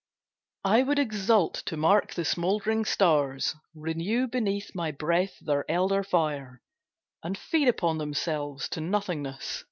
I would exult to mark the smouldering stars Renew beneath my breath their elder fire, And feed upon themselves to nothingness.